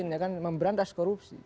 negara negara lain memberantas korupsi